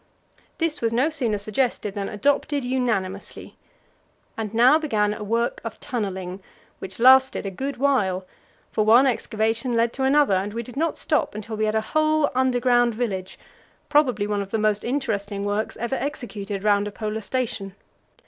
This was no sooner suggested than adopted unanimously. And now began a work of tunnelling which lasted a good while, for one excavation led to another, and we did not stop until we had a whole underground village probably one of the most interesting works ever executed round a Polar station.